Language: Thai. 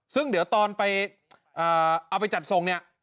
ซึ่งเด้อตอนเอาไปจัดทรงเนี่ย